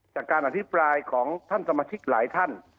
จากการอภิปรายของท่านสมาชิกหลายท่าน